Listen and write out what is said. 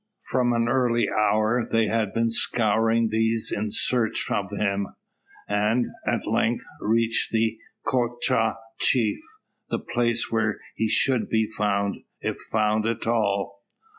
From an early hour they have been scouring these in search of him; and, at length, reached the Choctaw Chief the place where he should be found, if found at all.